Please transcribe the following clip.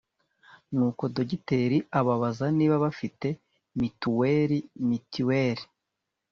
Nuko dogiteri ababaza niba bafite mituwerimutuelle